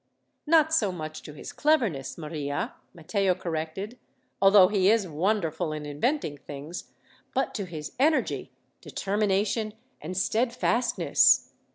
"Not so much to his cleverness, Maria," Matteo corrected, "although he is wonderful in inventing things, but to his energy, determination, and steadfastness.